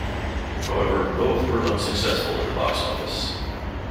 However, both were unsuccessful at the box office.